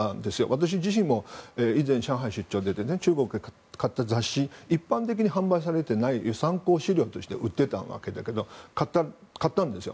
私自身も、以前上海に出張に行って中国で買った雑誌一般的に販売されていない参考資料として売ってたわけだけど買ったんですよ。